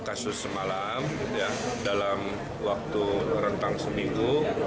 kasus semalam dalam waktu rentang seminggu